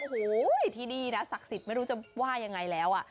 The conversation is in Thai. โอ้โหที่นี่นะศักดิ์สิทธิ์ไม่รู้จะว่ายังไงแล้ว